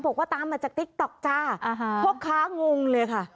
พวกค้างงเลยค่ะ